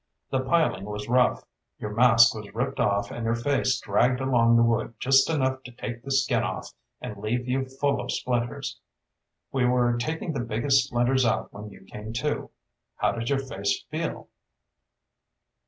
The piling was rough. Your mask was ripped off and your face dragged along the wood just enough to take the skin off and leave you full of splinters. We were taking the biggest splinters out when you came to. How does your face feel?"